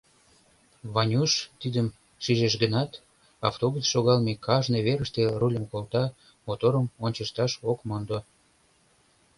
Ванюш тидым шижеш гынат, автобус шогалме кажне верыште рульым колта, моторым ончышташ ок мондо.